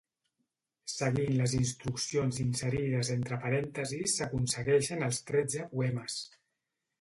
Seguint les instruccions inserides entre parèntesis s'aconsegueixen els tretze poemes.